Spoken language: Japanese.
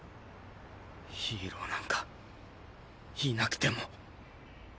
ヒーローなんかいなくても。